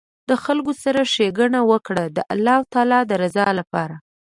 د خلکو سره ښیګڼه وکړه د الله تعالي د رضا لپاره